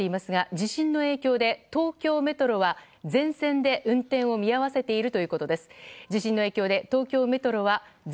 地震の影響で東京メトロは全線で運転を見合わせているということです。